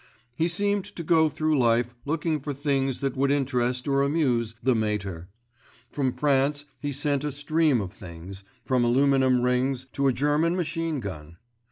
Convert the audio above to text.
He seemed to go through life looking for things that would interest or amuse "the Mater." From France he sent a stream of things, from aluminium rings to a German machine gun.